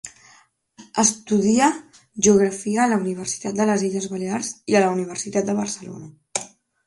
Estudià geografia a la Universitat de les Illes Balears i a la Universitat de Barcelona.